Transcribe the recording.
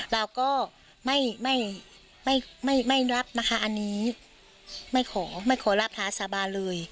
เราก็ไม่ไม่รับนะคะอันนี้ไม่ขอไม่ขอรับท้าสาบานเลย